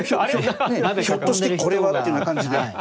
ひょっとしてこれは？っていうような感じで。